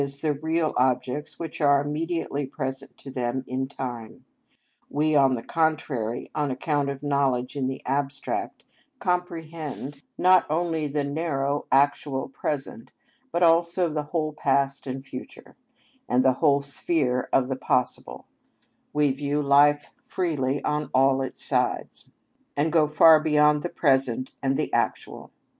_, the real objects which are immediately present to them in time; we, on the contrary, on account of knowledge in the abstract, comprehend not only the narrow actual present, but also the whole past and future, and the wide sphere of the possible; we view life freely on all its sides, and go far beyond the present and the actual.